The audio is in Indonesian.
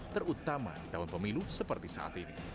terutama di tahun pemilu seperti saat ini